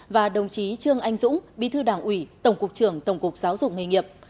và đồng chí trương anh dũng bí thư đảng ủy tổng cục trưởng tổng cục giáo dục nghề nghiệp